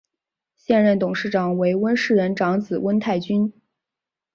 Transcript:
现任董事长为温世仁长子温泰钧。